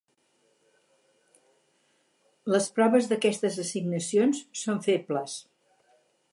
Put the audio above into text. Les proves d'aquestes assignacions són febles.